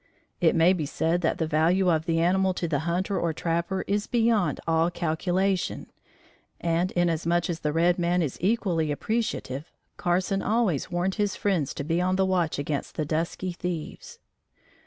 It may be said that the value of the animal to the hunter or trapper is beyond all calculation, and, inasmuch as the red man is equally appreciative, Carson always warned his friends to be on the watch against the dusky thieves.